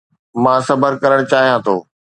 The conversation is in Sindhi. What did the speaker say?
مان صبر ڪرڻ چاهيان ٿو